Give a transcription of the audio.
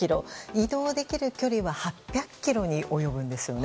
移動できる距離は８００ｋｍに及ぶんですよね。